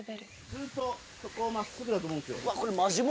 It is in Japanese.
・ずっとそこをまっすぐだと思うんですよ。